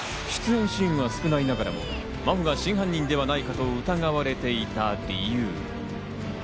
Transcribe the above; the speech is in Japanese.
出演シーンが少ないながらも真帆が真犯人ではないかと疑われていた理由。